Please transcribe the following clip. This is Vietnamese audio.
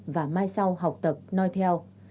và mai sau học tập nói theo